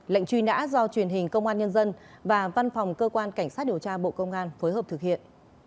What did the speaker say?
lệnh truy nã do truyền hình công an nhân dân và văn phòng cơ quan cảnh sát điều tra bộ công an phối hợp thực hiện